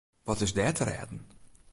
Wat is der te rêden?